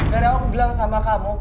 dari aku bilang sama kamu